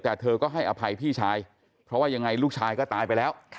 แต่เธอก็ให้อภัยพี่ชายเพราะว่ายังไงลูกชายก็ตายไปแล้ว